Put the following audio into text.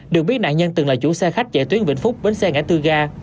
được biết nạn nhân từng là chủ xe khách chạy tuyến vĩnh phúc bến xe ngã tư ga